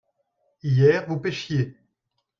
hier vous pêchiez.